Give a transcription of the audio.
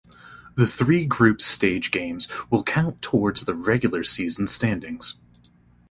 The three group stage games will count towards the regular season standings.